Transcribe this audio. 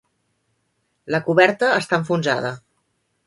La coberta està enfonsada.